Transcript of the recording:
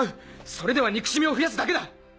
それでは憎しみを増やすだけだ！